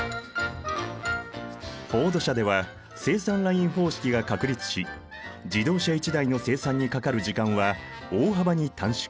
フォード社では生産ライン方式が確立し自動車１台の生産にかかる時間は大幅に短縮。